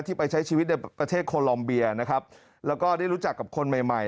ไปใช้ชีวิตในประเทศโคลอมเบียนะครับแล้วก็ได้รู้จักกับคนใหม่ใหม่